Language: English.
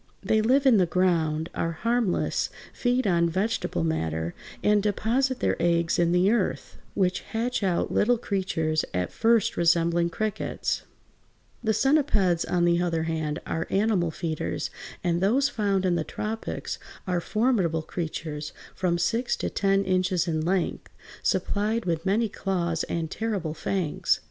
They live in the ground, are harmless, feed on vegetable matter, and deposit their eggs in the earth, which hatch out little creatures at first resembling crickets. [Illustration: FIG. 164. A milliped.] [Illustration: FIG. 165. A centiped.] The centipeds, on the other hand (Fig. 165), are animal feeders, and those found in the tropics are formidable creatures from six to ten inches in length, supplied with many claws and terrible fangs.